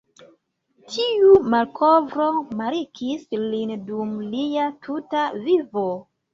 Tiu malkovro markis lin dum lia tuta vivo.